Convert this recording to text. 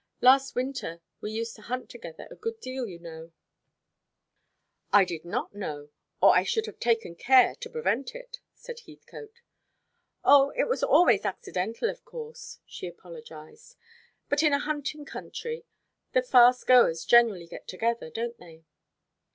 Last winter we used to hunt together a good deal, you know " "I did not know, or I should have taken care to prevent it," said Heathcote. "O, it was always accidental, of course," she apologised. "But in a hunting country, the fast goers generally get together, don't they?"